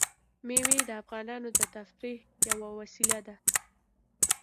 مېوې د افغانانو د تفریح یوه وسیله ده.